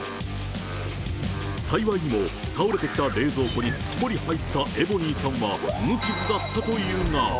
幸いにも、倒れてきた冷蔵庫にすっぽり入ったエボニーさんは、無傷だったというが。